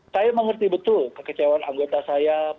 saya mengerti betul kekecewaan anggota saya